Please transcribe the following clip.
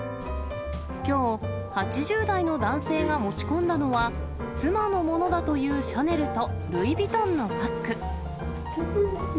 きょう、８０代の男性が持ち込んだのは、妻のものだというシャネルと、ルイ・ヴィトンのバッグ。